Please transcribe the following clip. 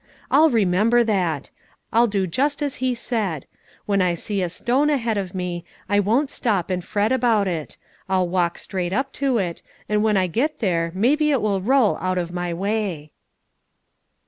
I'll remember that. I'll do just as he said: when I see a stone ahead of me, I won't stop and fret about it; I'll walk straight up to it, and when I get there maybe it will roll out of my way."